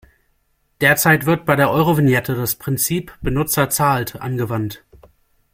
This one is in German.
Derzeit wird bei der Eurovignette das Prinzip "Benutzer zahlt" angewandt.